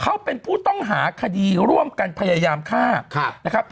เขาเป็นผู้ต้องหาคดีร่วมกันพยายามฆ่านะครับ